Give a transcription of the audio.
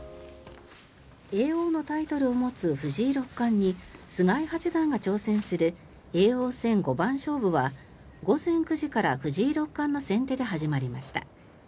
叡王のタイトルを持つ藤井六冠に菅井八段が挑戦する叡王戦五番勝負は午前９時から藤井六冠の先手で始まりました。